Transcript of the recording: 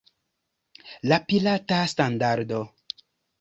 La pirata standardo!